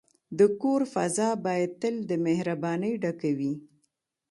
د کور فضا باید تل د مهربانۍ ډکه وي.